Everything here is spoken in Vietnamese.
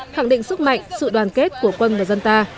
khẳng định sức mạnh sự đoàn kết của quân và dân ta